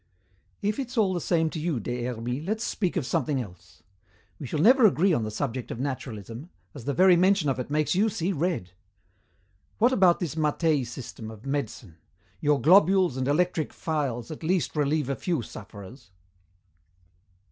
"If it's all the same to you, Des Hermies, let's speak of something else. We shall never agree on the subject of naturalism, as the very mention of it makes you see red. What about this Mattei system of medicine? Your globules and electric phials at least relieve a few sufferers?"